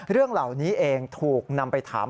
เรื่องเหล่านี้เองถูกนำไปถาม